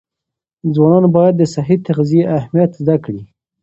ځوانان باید د صحي تغذیې اهمیت زده کړي.